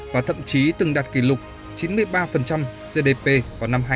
và thậm chí từng đạt kỷ lục chín mươi ba gdp vào năm hai nghìn hai mươi